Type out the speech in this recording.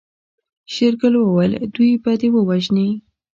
شېرګل وويل دوی به دې ووژني.